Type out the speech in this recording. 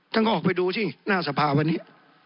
ท่านก็ออกไปดูสิหน้าสภาวันนี้